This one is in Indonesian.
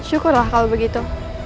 syukur lah kalau begitu